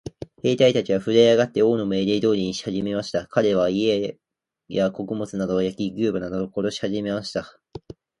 兵隊たちはふるえ上って、王の命令通りにしはじめました。かれらは、家や穀物などを焼き、牛馬などを殺しはじめました。